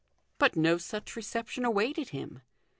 But no such reception awaited him.